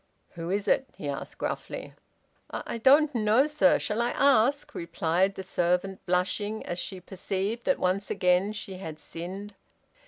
"Who is it?" he asked gruffly. "I I don't know, sir. Shall I ask?" replied the servant, blushing as she perceived that once again she had sinned.